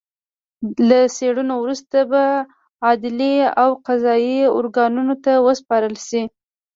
له څېړنو وروسته به عدلي او قضايي ارګانونو ته وسپارل شي